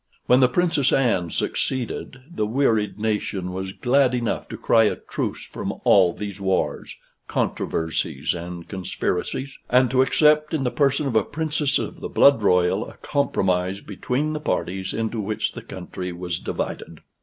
When the Princess Anne succeeded, the wearied nation was glad enough to cry a truce from all these wars, controversies, and conspiracies, and to accept in the person of a Princess of the blood royal a compromise between the parties into which the country was divided.